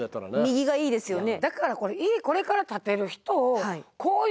右がいいですよね。